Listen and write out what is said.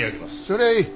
それはいい。